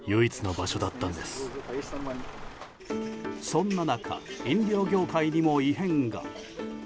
そんな中飲料業界にも異変が。